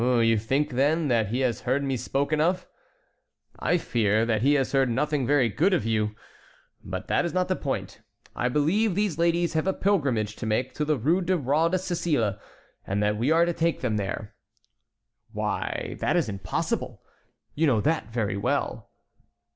"You think, then, that he has heard me spoken of?" "I fear that he has heard nothing very good of you. But that is not the point. I believe these ladies have a pilgrimage to make to the Rue de Roi de Sicile, and that we are to take them there." "Why, that is impossible! You know that very well."